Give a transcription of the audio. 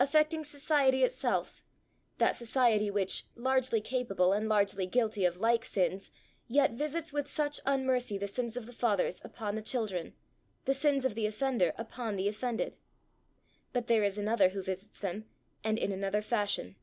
affecting society itself that society which, largely capable and largely guilty of like sins, yet visits with such unmercy the sins of the fathers upon the children, the sins of the offender upon the offended! But there is another who visits them, and in another fashion!